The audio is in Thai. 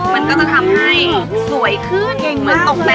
มันก็จะทำให้สวยขึ้นเก่งเหมือนตกแต่ง